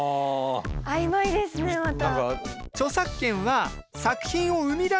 曖昧ですねまた。